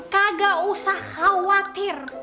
kagak usah khawatir